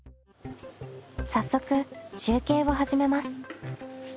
早速集計を始めます。